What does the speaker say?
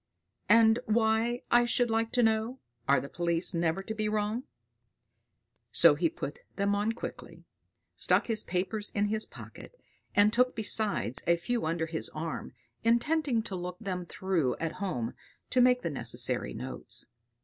And why, I should like to know, are the police never to be wrong? So he put them on quickly, stuck his papers in his pocket, and took besides a few under his arm, intending to look them through at home to make the necessary notes.